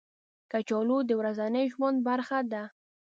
کچالو د ورځني ژوند برخه ده